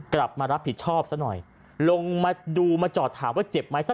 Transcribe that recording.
กลับมารับผิดชอบซะหน่อยลงมาดูมาจอดถามว่าเจ็บไหม